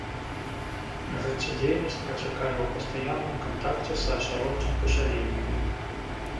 Жыццядзейнасць працякае ў пастаянным кантакце са асяроддзем пасялення.